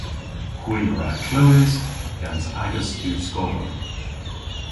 Hwi a wra klewes gans agas diwskovarn.